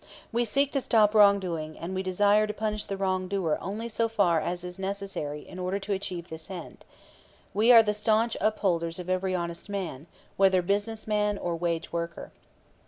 We seek to stop wrongdoing; and we desire to punish the wrongdoer only so far as is necessary in order to achieve this end. We are the stanch upholders of every honest man, whether business man or wage worker.